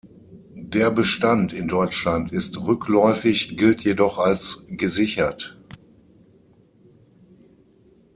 Der Bestand in Deutschland ist rückläufig, gilt jedoch als gesichert.